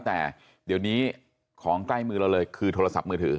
แต่เดี๋ยวนี้ของใกล้มือเราเลยคือโทรศัพท์มือถือ